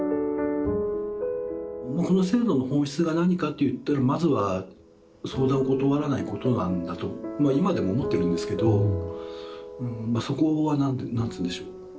この制度の本質が何かっていったらまずは相談を断らないことなんだと今でも思ってるんですけどそこは何て言うんでしょう。